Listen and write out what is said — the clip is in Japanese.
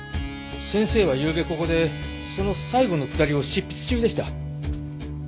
先生はゆうべここでその最後のくだりを執筆中でした。